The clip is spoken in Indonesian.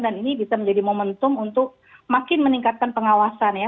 dan ini bisa menjadi momentum untuk makin meningkatkan pengawasan ya